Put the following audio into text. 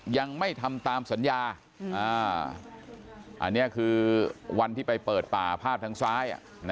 ยังไม่ทำตามสัญญาอันนี้คือวันที่ไปเปิดป่าภาพทางซ้าย